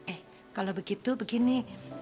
eh kalau begitu begini